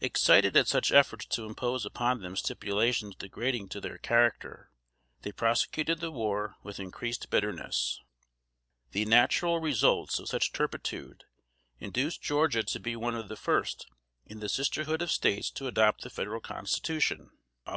Excited at such efforts to impose upon them stipulations degrading to their character, they prosecuted the war with increased bitterness. [Sidenote: 1788.] The natural results of such turpitude, induced Georgia to be one of the first in the sisterhood of States to adopt the Federal Constitution (Aug.